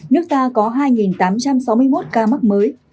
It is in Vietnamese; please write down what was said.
nước ta có hai tám trăm sáu mươi một ca mắc mới